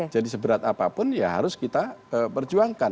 seberat apapun ya harus kita perjuangkan